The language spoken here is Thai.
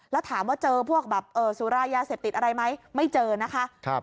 แล้วถามว่าเจอพวกแบบสุรายาเสพติดอะไรไหมไม่เจอนะคะ